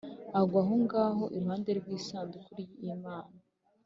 agwa aho ngaho iruhande rw’isanduku y’Imana.